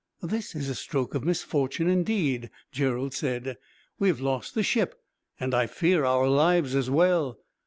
"This is a stroke of misfortune, indeed," Gerald said. "We have lost the ship, and I fear our lives, as well.